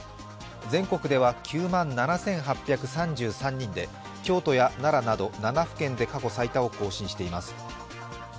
全国では９万７８３３人で京都や奈良など７府県で過去最多を更新しています。